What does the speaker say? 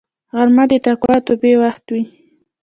غرمه د تقوا او توبې وخت وي